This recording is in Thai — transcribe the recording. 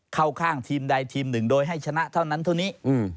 เข้าข้างทีมใดทีมหนึ่งโดยให้ชนะเท่านั้นเท่านี้